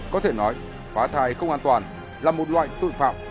có thể nói phá thai không an toàn là một loại tội phạm